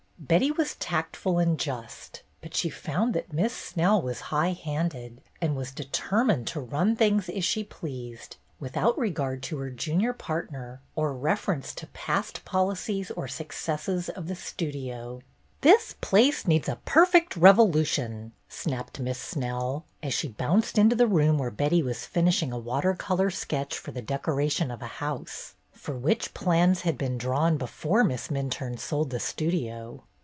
Betty was tactful and just, but she found that Miss Snell was high handed and was deter mined to run things as she pleased, without regard to her junior partner or reference to past policies or successes of the Studio. "This place needs a perfect revolution!" snapped Miss Snell, as she bounced into the room where Betty was finishing a water color sketch for the decoration of a house, for which plans had been drawn before Miss Minturne sold the Studio.